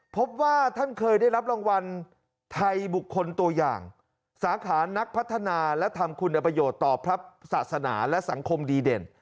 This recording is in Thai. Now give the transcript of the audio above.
พบว่าท่านเคยได้รับรางวัลไทยบุคคลตัวอย่างสาขานักพัฒนาและทำคุณประโยชน์ต่อพระศาสนาและสังคมดีเด่น